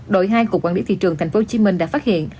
đội hai của quản lý thị trường tp hcm đã phát hiện